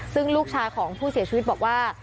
ซึ่งลูกชายของผู้เสียชีวิตบอกว่า